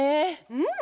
うん。